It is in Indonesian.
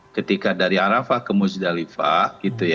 ketika dari arafah ke musdalifah